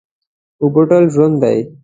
اوبه ټول ژوند دي.